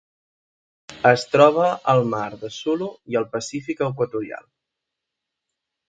Es troba al Mar de Sulu i al Pacífic equatorial.